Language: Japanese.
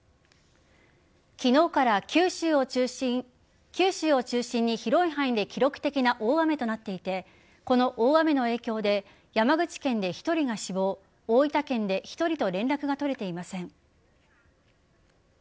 昨日から九州を中心に広い範囲で記録的な大雨となっていてこの大雨の影響で山口県で１人が死亡大分県で１人と連絡が取れていません。